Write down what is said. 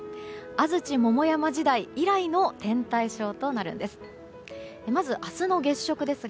安土桃山時代以来の天体ショーとなるんです。